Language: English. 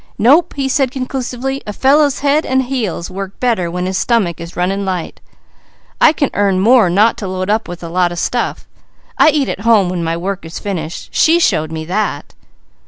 "Nope!" he said conclusively. "A fellow's head and heels work better when his stomach is running light. I can earn more not to load up with a lot of stuff. I eat at home when my work is finished. She showed me that."